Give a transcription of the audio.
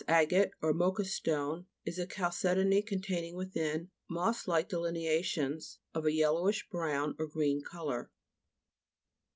agate or Mocha stone is a chalce dony containing within, moss like delineations of a yellowish brown or green colour.